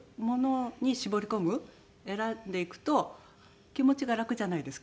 選んでいくと気持ちが楽じゃないですか。